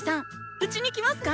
⁉うちに来ますか